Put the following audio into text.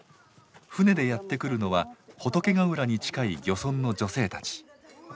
船でやって来るのは仏ヶ浦に近い漁村の女性たち。